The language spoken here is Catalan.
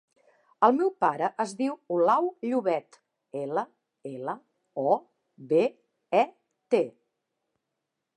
El meu pare es diu Olau Llobet: ela, ela, o, be, e, te.